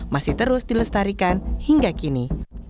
masih terus dilestarikan hingga kini